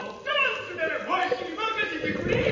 ダンスならわしにまかせてくれ！